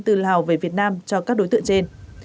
từ lào về việt nam cho các đối tượng trên